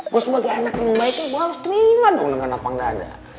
gue sebagai anak yang baik ini gue harus terima dong dengan lapang dada